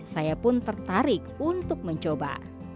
saya pun tertarik untuk mencoba